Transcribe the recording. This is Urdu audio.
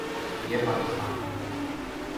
یہ پاکستان ہے۔